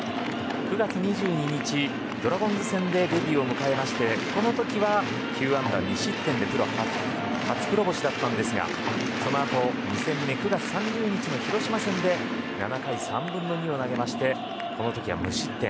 ９月２２日、ドラゴンズ戦でデビューを迎えましてこの時は、９安打２失点でプロ初黒星でしたがそのあと２戦目、９月３０日の広島戦で７回３分の２を投げて無失点。